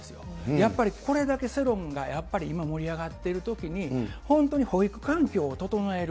やっぱりこれだけ世論がやっぱり今、盛り上がっているときに、本当に保育環境を整える。